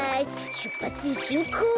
しゅっぱつしんこう！